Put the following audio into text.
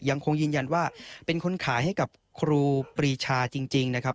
ยังคงยืนยันว่าเป็นคนขายให้กับครูปรีชาจริงนะครับ